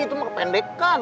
itu emang kependekan